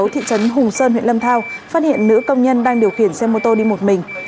thị trấn hùng sơn huyện lâm thao phát hiện nữ công nhân đang điều khiển xe mô tô đi một mình